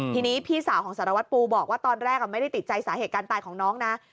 ทีนี้พี่สาวของสารวัตรปูบอกว่าตอนแรกไม่ได้ติดใจสาเหตุการณ์ตายของน้องนะ